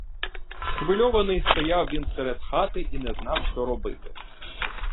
Схвильований стояв він серед хати і не знав, що робити.